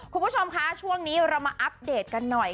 คุณผู้ชมคะช่วงนี้เรามาอัปเดตกันหน่อย